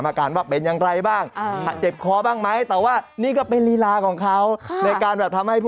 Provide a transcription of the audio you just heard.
มีอาการไอ้เจ็บคอบอกได้เลยนะครับผม